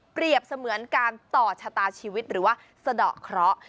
เสมือนการต่อชะตาชีวิตหรือว่าสะดอกเคราะห์